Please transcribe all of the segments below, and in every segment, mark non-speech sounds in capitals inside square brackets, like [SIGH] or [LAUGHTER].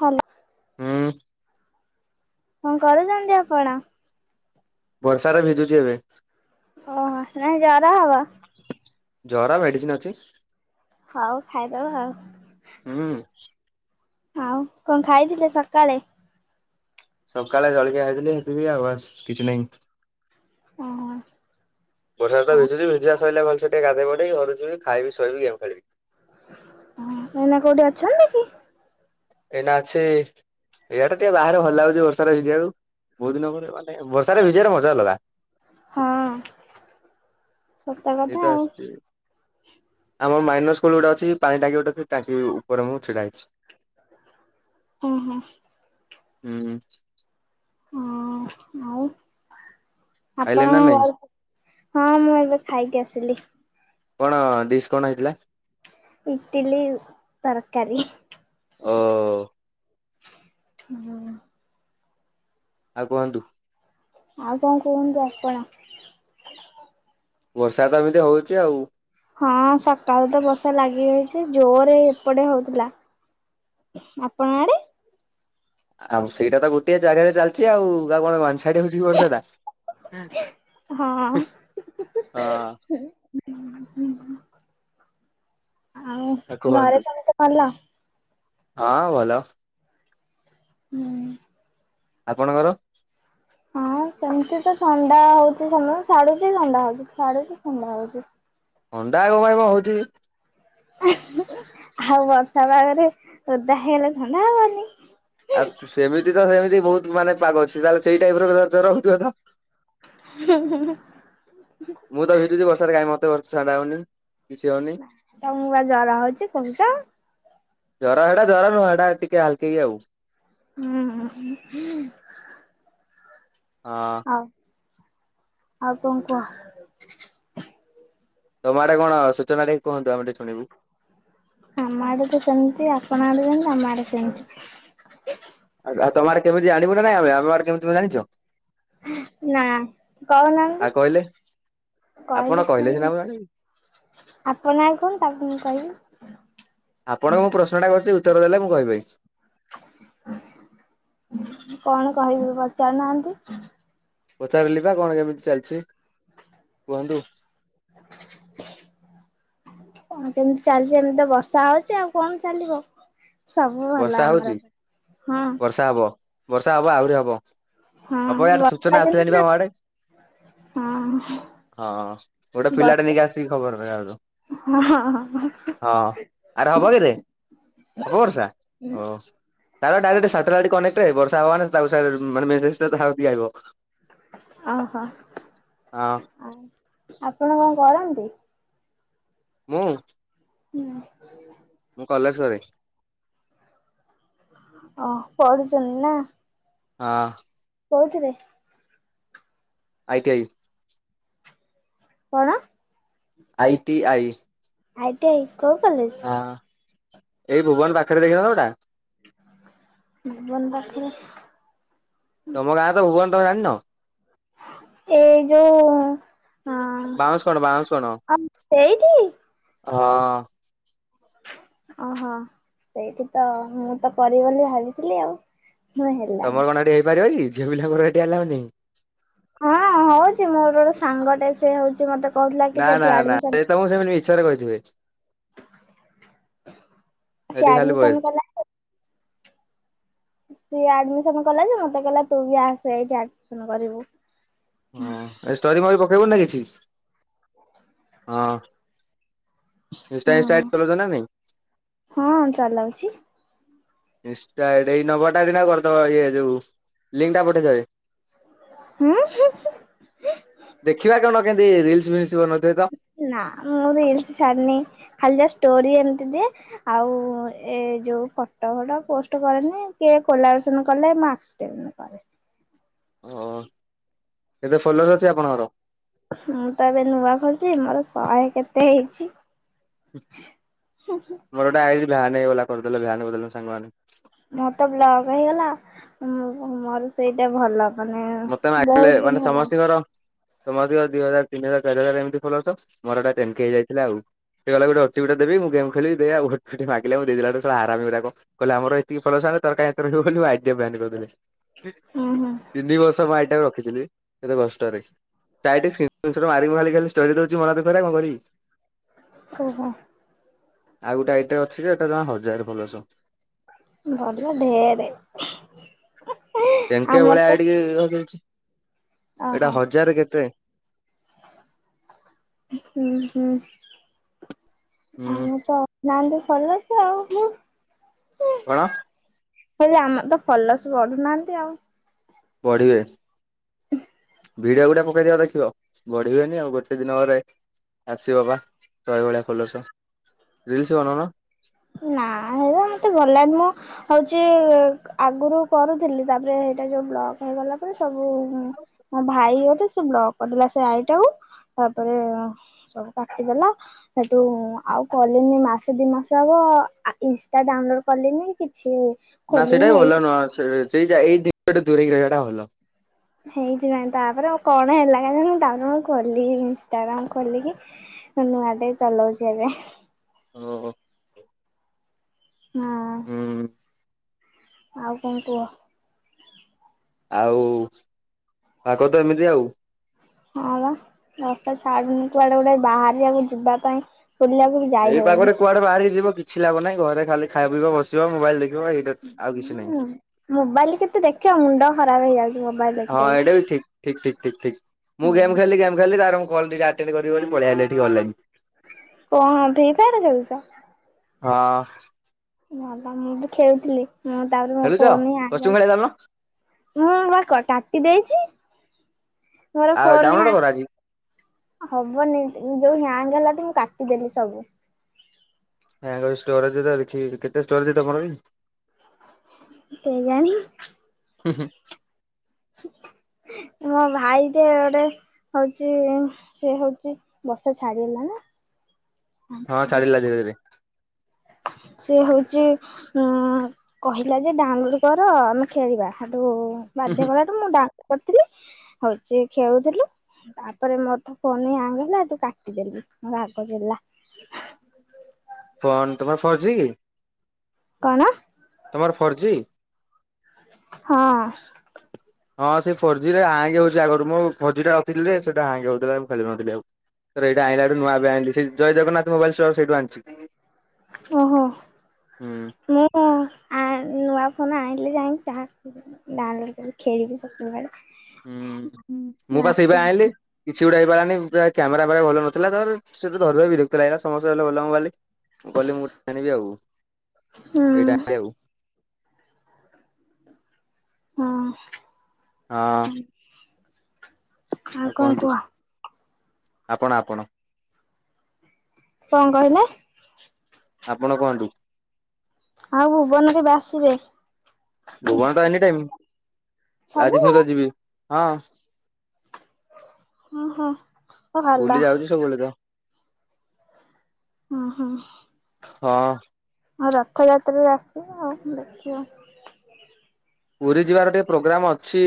Hello. ହୁଁ କଣ କରୁଚନ୍ତି ଆପଣ? ବର୍ଷାରେ ଭିଜୁଚି ଏବେ। ଓହ ସେ [UNINTELLIGIBLE] ଜର ହବ। ଜରା ମେଡିସିନ ଅଛି। ହଉ ଖାଇଦବ ଆଉ। ହୁଁ। ଆଉ କଣ ଖାଇଥିଲେ ସକାଳେ? ସକାଳେ ଜଳିକିଆ ଖାଇଥିଲି ହେତିକି ଆଉ ବାସ କିଛି ନାହିଁ। ଓହୋ ବଡ଼ିଆ ତ ଆଉ [UNINTELLIGIBLE] ଶୋଇଲେ ଭଲ ସେ ଟିକେ ଗାଧେଇପଡ଼ିବି ଘରୁକୁ ଯିବି ଖାଇବି ଶୋଇିବି ଗେମ୍ ଖେଳିବି। ଏଇନା କୋଉଠି ଅଛନ୍ତି କି? ଏଇନା ଅଛି ଇଆଡେ ଟିକେ ବାହାରେ ଭଲ ଲାଗୁଚି ବର୍ଷାରେ ଭିଜିବାକୁ, ବୋହୁତ ଦିନ ପରେ ମାନେ ବର୍ଷାରେ ଭିଜିବାର ମଜା ଅଲଗା। ହଁ। ସତ କଥା ସେଇଟା ଆଉ ଆସଚି ଆମର ମାଇନସ୍ ସ୍କୁଲ ଗୋଟେ ଅଛି ପାଣି ଟାଙ୍କି ଗୋଟେ ଅଛି ଟାଙ୍କି ଉପରେ ମୁଁ ଛିଡା ହେଇଚି। ହୁଁ ହୁଁ। ହୁଁ। ହଁ ଆଉ ଆଇଲେ ନା ଆପଣଙ୍କ ନାଇଁ ଘର ହଁ ମୁଁ ଏବେ ଖାଇକି ଆସିଲି। କଣ ଡିସ୍ କଣ ହେଇଥିଲା? ଇଟିଲୀ ତରକାରୀ। ଓ ହୁଁ। ଆଉ କୁହନ୍ତୁ? ଆଉ କଣ କୁହନ୍ତୁ ଆପଣ? ବର୍ଷା ତ ଏମିତି ହୋଉଚି ଆଉ। ହଁ ସକାଳୁ ତ ବର୍ଷା ଲାଗିରହିଚି ଜୋରେ ଏପଟେ ହୋଉଥିଲା। ଆପଣ ଆଡେ ଆଉ ସେଇଟା ତ ଗୋଟେ ଜାଗାରେ ଚାଲିଚି ଆଉ ଆଉ କଣ ୱାନ୍ ସାଇଡ ହୋଉଚି ବର୍ଷା ଟା। ହଁ। ହଁ ଆଉ କୁହନ୍ତୁ ଘରେ ସମସ୍ତେ ଭଲ? ହଁ ଭଲ। ହୁଁ। ଆପଣଙ୍କର? ହଁ ହଁ ସେମିତି ତ ଥଣ୍ଡା ହଉଚି ସମ ଛାଡୁଚି ଥଣ୍ଡା ହଉଚି ଛାଡୁଚି ଥଣ୍ଡା ହଉଚି। ଥଣ୍ଡା କଅ ପାଇଁ ମ ହଉଚି? ଆଉ ବର୍ଷା ପାଗରେ ଓଦା ହେଇଗଲେ ଥଣ୍ଡା ହବନି। ଆଉ ସେମିତି ତ ସେମିତି ବହୁତ ମାନେ ପାଗ ଅଛି। ତାହେଲେ ସେଇ ଟାଇପର ଜର ହଉଥିବ ତ? ହୁଁଁ ହୁଁ ହୁଁ। ମୁଁ ତ ଭିଜୁଚି ବର୍ଷାରେ କାଇଁ ମତେ [INAUDIBLE] ହଉନି। କିଛି ହଉନି ତମକୁ ବା ଜର ହଉଛି କହୁଛ। ଜର ହେଟା ଜର ନୁହଁ। ହେଟା ଟିକେ ହାଲକେଇକି ଆଉ। ହୁଁ ହୁଁ। ହଁ। ହଉ ଆଉ କଣ କୁହ? ତମ ଆଡେ କଣ ସୂଚନା ଟିକେ କୁହନ୍ତୁ ଆମେ ଟିକେ ଶୁଣିବୁ। ଆମ ଆଡେ ତ ସେମିତି ଆପଣ ଆଡେ ଯେମିତି ଆମ ଆଡେ ସେମିତି। ଆଉ ତମ କେମତି ଯାଣିବୁନା ନାଇଁ ଆମେ ଆମ ଆଡେ କେମତି ତମେ ଜାଣିଛ? ନା କହୁନାହାଁନ୍ତି ଆଉ କହିଲେ ଆପଣ କହିଲେ ସିନା ମୁଁ ସିନାଯା ଜାଣିବି। ଆପଣ ଆଗେ କୁହନ୍ତୁ ତାପରେ ମୁଁ କହିବି। ଆପଣଙ୍କୁ ମୁଁ ପ୍ରଶ୍ନଟା କରିଛି। ଉତ୍ତର ଦେଲେ ମୁଁ କହିବି। କଣ କହିବି ପଚାରୁନାହାନ୍ତି? ପଚାରିଲି ବା କଣ କେମିତି ଚାଲିଛି କୁହନ୍ତୁ? କଣ କେମିତି ଚାଲିଛି ଏମିତି ତ ବର୍ଷା ହଉଛି ଆଉ କଣ ଚାଲିବ। ସବୁ ବର୍ଷା ଭଲ ହଉଛି ଆମର। ହଁ। ବର୍ଷା ହବ। ବର୍ଷା ହବ ଆହୁରି ହବ। ହବ ହଁ ଇଆଡେ ବର୍ଷା ସୂଚନା ଦିନ ଆସିଲାଣି ବା ନା ଆମ ଆଡେ। ହଁ ହଁ ଗୋଟେ ପିଲାଟା ବର୍ଷା ନେଇକି ଆସିକି ଖବର ଦେବାକୁ। ହଁ ହଁ ହଁ ଆରେ ହବ କିରେ ହବ ବର୍ଷା? ହଁ ଓ। ତାପାଖେ ଡାଇରେକ୍ଟ ସାଟେଲାଇଟ କନେକ୍ଟ ବର୍ଷା ହବ ମାନେ ତାକୁ ସେ ମେସେଜଟା ତା ପାଖକୁ ଆଇବ। ଅ ହ ହଁ ଆ ଆପଣ କଣ କରନ୍ତି? ମୁଁ। ହୁଁ ମୁଁ କଲେଜ କରେ। ଓ ପଢୁଛନ୍ତି ନା? ହଁ। କୋଉଥିରେ? I T I. କଣ? I T I. I T I. କୋଉ କଲେଜ? ହଁ ଏଇ ଭୁବନ ପାଖରେ ଦେଖିିନ ଜଉଟା। ଭୁବନ ପାଖରେ। ତମ ଗାଁ ତ ଭୁବନ। ତମେ ଜାଣିନ? ଏଇ ଯୋଉ ହଁ, ବାଉଁଶ କଣ ବାଉଁଶ କଣ ହଁ ସେଇଠି। ହଁ। ଓହୋ ସେଇଠି ତ ମୁଁ ତ କରିବି ବୋଲି ଭାବିଥିଲି ଆଉ। ମୁଁ ହେଲାନି। ତମର କଣ ଏଠି ହେଇପାରିବ କି ଝିଅ ପିଲାଙ୍କର ଏଠି ଆଲାଉ ନାହିଁ। ହଁ ହଉଛି ମୋର ଗୋଟେ ସାଙ୍ଗ ଟେ ସେ ହଉଚି ମତେ କହୁଥିଲା କି ନାଁ ସେଠି ନାଁ ନାଁ ଆଡମିସନ ସେ ତମକୁ ସେମିତି ମିଛରେ କହିଥିବେ। ସିଏ ସେଠି ଖାଲି ଆଡମିସନ ବଏସ୍ କଲା। ସିଏ ଆଡମିସନ କଲା ଯେ ମତେ କହିଲା ତୁ ବି ଆସେ ଏଇଠି ଆଡ଼ମିସନ କରିବୁ। ହଁ ଏ ଷ୍ଟୋରି ମୋରି ପକେଇବୁ ନା କିଛି ହଁ। ଇନଷ୍ଟା ଫିନଷ୍ଟା ହଁ ଆଇଡ ଚଲଉଚ ନା ନାଇଁ? ହଁ ଚଲଉଚି। ଇନଷ୍ଟା ଏ ଏଇ ନମ୍ବର ଟା [UNINTELLIGIBLE] କରିଦବ ଇଏ ଯୋଉ ଲିଙ୍କ ଟା ପଠେଇଦେବେ। ହୁଁ। ଦେଖିବା କଣ କେମତି ରିଲସ ଫିଲ୍ସ ବନଉ ଥିବେ ତ। ନା ମୁଁ ରିଲ୍ସ ଛାଡିନି ଖାଲି ଯା ଷ୍ଟୋରି ଏମିତି ଦିଏ। ଆଉ ଏ ଯୋଉ ଫଟୋ ଫଟ ପୋଷ୍ଟ କରେନି କିଏ କୋଲାବ୍ରେସନ୍ କଲେ ମୁଁ ଆ [UNINTELLIGIBLE] କରେ। ଓହୋ କେତେ ଫଲୋର ଅଛି ଆପଣଙ୍କର? ମୁଁ ତ ଏବେ ନୂଆ ଖୋଲଚି ମୋର ଶହେ କେତେ ହେଇଚି। ହଁ ହୁଁ। ମୋର ଗୋଟେ ଆଇ ଡି ଥିଲା, ନେଇଗଲା କରଦେଲେ ବ୍ୟାନ କରଦେଲେ ସାଙ୍ଗମାନେ। ମୋ ତ ବ୍ଲକ ହେଇଗଲା ମୋ-ମୋର ସେଇଟା ଭଲ। ମାନେ ମତେ ମାଗିଲେ ବହୁତ ଦିନ ମାନେ ହେଲାଣି। ସମସ୍ତିଙ୍କର ସମସ୍ତିଙ୍କର ଦି ହଜାର, ତିନି ହଜାର, ଚାରି ହଜାର ଏମିତି ଫଲୋର୍ସ, ମୋର ଏଇଟା ଟେନ କେ ହେଇ ଯାଇଥିଲା ଆଉ। ସେ କହିଲା ଗୋଟେ ଅଛି ଗୋଟେ ଦେବି, ମୁଁ ଗେମ୍ ଖେଳିବି ଦେ ଆଉ, ସିଠି ମାଗିଲେ ମୁଁ ଦେଇ ଦେଲା ବେଳକୁ! ! ! ! ! ! ! ! ! ! ଗୁରାକ କହିଲେ ଆମର ଏତିକି ଫଲୋର୍ସ ହେଲେ ଆଇଲେ ତୋର କାଇଁ ଏତେ ଭିଡିଓ କଲୁ ଆଇ ଡ ଟିଏ ବ୍ୟାନ କରିଦେଲେ। ହୁଁ ହୁଁ। ତିନି ବର୍ଷ ମୋ ଆଇ ଡ ଟାକୁ ରଖିଥିଲି କେତେ କଷ୍ଟରେ। ସେ ଆଇ ଡ ସ୍କିନ ସର୍ଟ ମାରି ମାରି ଖାଲି ଷ୍ଟୋରୀ ଦଉଚି ମନ ଦୁଃଖରେ କଣ କରିବି। ଓହୋ। ଆଉ ଗୋଟେ ଆଇ ଡ ଟେ ଅଛି ଯେ, ତାର ଜମା ହଜାରେ ଫଲୋରସ। ଭଲ ଢେରେ। ଟେନ କେ ଆମର ଭଳିଆ ଆଇ ତ ଡି ହେଇଚି, ଓହୋ ଏଇଟା ହଜାର କେତେ। ହୁଁ, ହୁଁ ଉଁ ଆମେ ତ ନାହାଁନ୍ତି ଫଲୋର୍ସ ଆଉ ହୁଁ। କଣ? ହେଲେ ଆମର ତ ଫଲୋର୍ସ ବଢୁନାହାନ୍ତି ଆଉ। ବଢ଼ିବେ। ଭିଡିଓ ଗୋଟେ ପକେଇ ଦିଅ ଦେଖିବ, ବଢିବେନି ଆଉ ଗୋଟେ ଦିନରେ ଆସିବ ବା ଭାଇ ଭଳିଆ ଫଲୋରସ, ରିଲସ ବନଉନ। ନା ସଗୁରା ମତେ ଭଲ ଲାଗେନି ମ। ହଉଚି ଆଗୁରୁ କରୁଥିଲି ତାପରେ ସେଇଟା ଯୋଉ ବ୍ଲକ୍ ହେଇଗଲା ପରେ ସବୁ ଉଁ ମୋ ଭାଇ ଗୋଟେ ସେ ବ୍ଲକ କରିଥିଲା ସେ ଆଇ ଟାକୁ, ତାପରେ ସବୁ କାଟିଦେଲା ସେଠୁ ଆଉ କଲିନି ମାସେ ଦି ମାସ ହବ ଇନଷ୍ଟା ଡାଉନଲୋଡ କଲିନି କିଛି ନା ସେଟା ଖୋଲିନି ବି ଏଇ ଭଲ ନୁହଁ, ସେ-ସେଇ ଏଇ ଜିନଷଠୁ ଦୂରେଇକି ରହିବାଟା ଭଲ। ସେଇଥିପାଇଁ ତାପରେ ଆଉ କଣ ହେଲା କେଜାଣି ମୁଁ ଡାଉନଲୋଡ କଲି ଇନଷ୍ଟାଗ୍ରାମ ଖୋଲିକି। ନୂଆ ଟେ ଚଲଉଚି ଏବେ। ଓହୋ। ହଁ। ହୁଁ। ଆଉ କଣ କୁହ? ଆଉ ପାଗ ତ ଏମିତି ଆଉ। ହଁ ବା ବର୍ଷା ଛାଡୁନି କୁଆଡେ ଗୋଟାଇ ବାହାରିଆକୁ ଯିବା ପାଇଁ ବୁଲିଆକୁ ଏଇ ପାଗରେ କୁଆଡେ ବାହାରିକି ଯିବ କିଛି ଲାଭ ନାହିଁ, ଘରେ ଖାଲି ଖାଇବ, ପିଇବ, ବସିବ ମୋବାଇଲ ଦେଖି ବ ଏଇଟି ଅଛି, ଆଉ କିଛି ନାହିଁ। ହୁଁ ମୋବାଇଲ କେତେ ଦେଖିବ, ମୁଣ୍ଡ ଖରାପ ହେଇଯାଉଚି। ହଁ, ଏଇଟା ବି ଠିକ ଠିକ-ଠିକ-ଠିକ-ଠିକ ମୁଁ ଗେମ ଖେଳଲି, ଗେମ ଖେଳଲି ତାପରେ ମୁଁ ଗଲି ଗା ସେମିତି କରିବ ବୋଲି ମୁଁ ପଳାଇ ଆଇଲି ଏଇଠିକ ଅନଲାଇନ। କଣ ଦ୍ଵିପହରେ ଯାଉଛ? ହଁ। ହଁ ତ ମୁଁ ବି ଖେଳୁଥିଲି, ମୁଁ ତାପରେ ମୋ ଖେଳୁଛ ଫୋନ ଆସି କଷ୍ଟ୍ୟୁମ୍ ଖେଳିବା ଚାଲୁନ ମୁଁ ବା କ କାଟି ଦେଇଛି। ମୋର ଆଉ ଫୋନ ହା ଡାଉନଲୋଡ୍ କର ଆଜି। ହବନି ଯୋଉ ହ୍ୟାଙ୍ଗ ହେଲା ତ ମୁଁ କାଟିଦେଲି ସବୁ। ହାଙ୍ଗ ହବ ଷ୍ଟୋରେଜ ଦେଖିକି, କେତେ ଷ୍ଟୋରେଜ୍ ତମର କି? କେଜାଣି? ହୁଁ, ହୁଁ। [INAUDIBLE] ମୋ ଭାଇ ଟେ ଗୋଟେ ହଉଛି ସିଏ ହଉଛି ବର୍ଷା ଛାଡିଗଲା ନା? ଆଣ୍ଠୁ ହଁ ପଟେ ଛାଡ଼ିଲା ଧୀରେ ଧୀରେ। ପକଉ ସେ ହେଉଛି ହଁ, କହିଲା ଯେ ଡାଉନଲୋଡ କର ଆମେ ଖେଳିବା। ସେଠୁ ହୁଁ ହୁଁ ବାଧ୍ୟ କଲାଠୁ ମୁଁଡା କତିରି ହଉଛି ଖେଳୁଥିଲୁ ତାପରେ ମୋର ତ ଫୋନ ହିଁ ହାଙ୍ଗ ହେଲା, ହେଟୁ କାଟିଦେଲି ରାଗ ଚିଡ଼ିଲା। ଫୋନ୍, ତମର ଫୋର୍ ଜି? କଣ? ତମର ଫୋର୍ ଜି? ହଁ। ହଁ ସେ ଫୋର୍ଜି ରେ ହାଙ୍ଗ ହଉଛି ଆଗରୁ ମୁଁ ଫୋରଜି ଟା ଧରିଥିଲି ସେଟା ହାଙ୍ଗେ ହଉଥିଲା ଖେଳୁ ନଥିଲି ଆଉ। ତ ଏଇଟା ଆଣିଲ ଠୁୂ ନୂଆଏବେ ଆଣିଲି ସେ ଜୟ ଜଗନ୍ନାଥ ମୋବାଇଲ୍ ଷ୍ଟୋର ସେଇଠୁ ଆଣିଛି। ଓହୋ, ହୁଁ। ମୁଁ କଣ ଆ ନୂଆ ଫୋନ୍ ଆଣିଲେ ଯାଇକି ଯାହା ଡାଉନଲୋଡ଼୍ କରିକି ଖେଳିବି ସବୁବେଳେ। ହୁଁ, ମୁଁ ବା ସେଇପାଇଁ ଆଇଲି। କିଛି ଗୋଟେ ହେଇପାରିଲାନି କ୍ୟାମେରା ପ୍ରାୟେ ଭଲ ନଥିଲା ତା ପରେ ସେ ଟା ଧରି ଧରି ବିରକ୍ତ ଲାଗିଲା ସମସ୍ତେ ଧୋଇଲେ ଭଲ ମୋବାଇଲ। ମୁଁ କହିଲି ମୁଁ ଆଣିବି ଆଉ ହୁଁ ଏଇଟା ଆଣିବି ଆଉ। ହଁ। ହଁ। ଆଉ କଣ କୁହନ୍ତୁ। କୁହ ଆପଣ, ଆପଣ କଣ କହିଲେ? ଆପଣ କହନ୍ତୁ। ଆଉ ଭୁବନ କେବେ ଆସିବେ? ଭୁବନ ତ ଏନି ଟାଇମ, ଆଜି ମୁୁଁ ସବୁବେଳେ ତ ଯିବି ହଁ। ହଁ ହଁ ବୁଲି ଯାଉଚି ସବୁବେଳେ ତ। ହଁ ହଁ। ହଁ। ଆଉ ରଥଯାତ୍ରାରେ ଆସିବ ଆଉ ଦେଖିବା। ପୁରୀ ଯିବାର ଟିକେ ପ୍ରୋଗ୍ରମ୍ ଅଛି।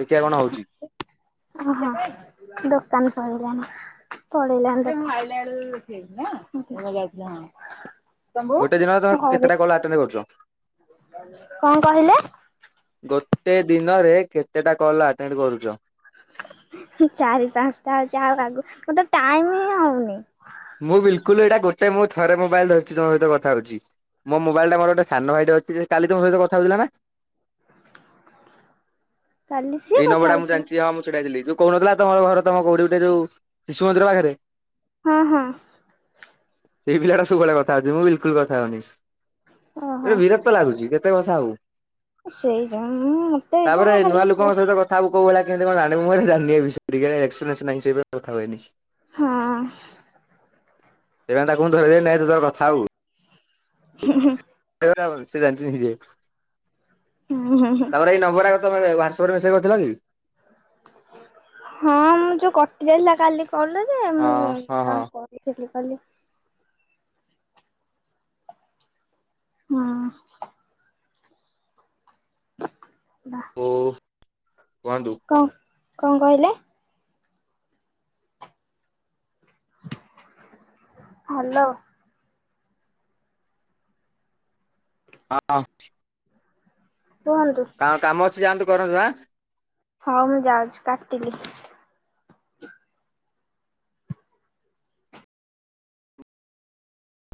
ଦେଖିବା କଣ ହଉଛି [UNINTELLIGIBLE] ଦୋକାନ [UNINTELLIGIBLE] [UNINTELLIGIBLE] ଗୋଟେ ଦିନରେ ତମେ [UNINTELLIGIBLE] ଘରେ କେତେଟା କଲ ଆଟେଣ୍ଡ କରୁଛ କଣ କହିଲେ? ଗୋଟେ ଦିନରେ କେତେଟା କଲ ଆଟେଣ୍ଡ କରୁଛ? ଚାରି ପାଞ୍ଚଟା ଯାହା ଲାଗୁ ମୋତେ ଟାଇମ ହିଁ ହଉନି। ମୁଁ ବିଲକୁଲ ଏଇଟା ଗୋଟେ ମୋ ଥରେ ମୋବାଇଲ ଧରିଛି ତମ ସହିତ କଥା ହଉଛି। ମୋ ମୋବାଇଲ ଟା ମୋର ଗୋଟେ ସାନ ଭାଇଟା ଅଛି ଯେ କାଲି ତମ ସହିତ କଥା ହଉଥିଲା ନା? କାଲି ସିଏ ଏଇ କଥା ନମ୍ୱରଟା ମୁଁ ହଉଥିଲେ ଜାଣିଛି ହଁ ମୁଁ ଛିଡା ହେଇଥିଲି ଯଉ କହୁନଥିଲା ତମର ଘର ତମ କଉଠି ଗୋଟେ ଜଉ ଶିଶୁ ମନ୍ଦିର ପାଖରେ। ହଁ, ହଁ। ସେଇ ପିଲାଟା ସବୁବେଳେ କଥା ହଉଚି। ମୁଁ ବିଲକୁଲ କଥା ହଉନି। ଓହୋ। ବିର କ୍ତ ଲାଗୁଚି, କେତେ କଥା ହବୁ। ସେଇଟା ମତେ ଇଚ୍ଛା ହେଲା ଖାଲିି କାହାକୁ କଉ ଭଳିଆ କେମତି କଣ ଜାଣିବୁ ମୁଁ କହିଲି ଜାଣିନି ଏ ବିଷୟରେ କେବେ। ଏକ୍ସପେରିଏନ୍ସ ନାହିଁ ସେଥିପାଇଁ କଥା ହୁଏନି। ହୁଁ। ଦେବା ଟାକୁ ମୁଁ ଧରେଇ ଦେବି ନେ ତୁ ତର କଥା ହବୁ। ହୁଁ, ହୁଁ। [UNINTELLIGIBLE] ସେ ଜାଣିଚି ନିଜେ। ହୁଁ, ହୁଁ, ହୁଁ। ତାପରେ ଏଇ ନମ୍ବର ଟା କଣ ତମେ ହ୍ୱାଟ୍ସଅପ ରେ ମେସେଜ କରିଥିଲ କି? ହଁ ମୁଁ ଯୋଉ କଟି ଯାଇଥିଲା କାଲି କଲ ଟା ଯେ ହଁ ମୁଁ ହଁ ହଁ ତାଙ୍କୁ କ ରିସେଣ୍ଟଲି କଲି। ହୁଁ। [UNINTELLIGIBLE] [UNINTELLIGIBLE] କୁହନ୍ତୁ। କଣ, କଣ କହିଲେ? ହାଲୋ। [UNINTELLIGIBLE] କୁହନ୍ତୁ। ଆଉ କାମ ଅଛି ଯାଆନ୍ତୁ କରନ୍ତୁ ଆଁ। ହଁ ମୁଁ ଯାଉଚି କାଟିଲି।